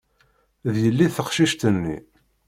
D yelli teqcict-nni.